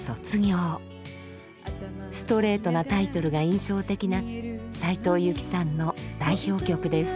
ストレートなタイトルが印象的な斉藤由貴さんの代表曲です。